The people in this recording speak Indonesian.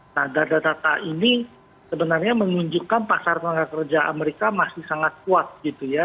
nah data data ini sebenarnya menunjukkan pasar tenaga kerja amerika masih sangat kuat gitu ya